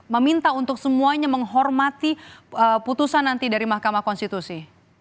meminta untuk semuanya menghormati putusan nanti dari mahkamah konstitusi